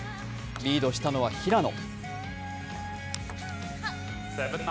リードしたのは平野。